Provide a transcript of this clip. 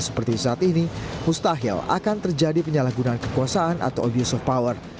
seperti saat ini mustahil akan terjadi penyalahgunaan kekuasaan atau abuse of power